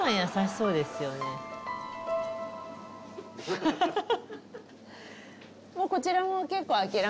ハハハハ！